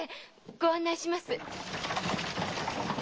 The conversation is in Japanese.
ご案内します。